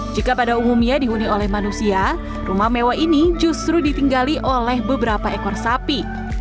jika pada umumnya dihuni oleh manusia rumah mewah ini justru ditinggali oleh beberapa ekor sapi